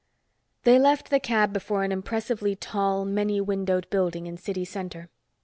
They left the cab before an impressively tall, many windowed building in city center.